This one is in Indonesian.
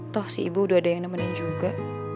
toh si ibu udah ada yang nemenin juga